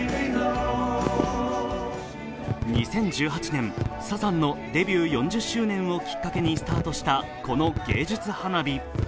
２０１８年、サザンのデビュー４０周年をきっかけにスタートしたこの芸術花火。